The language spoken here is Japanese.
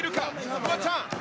フワちゃん！